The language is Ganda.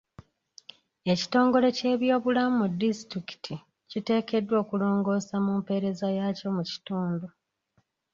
Ekitongole ky'ebyobulamu mu disitulikiti kiteekeddwa okulongoosa mu mpeereza yaakyo mu kitundu.